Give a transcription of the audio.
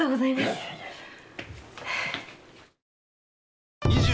いやいやいやいや。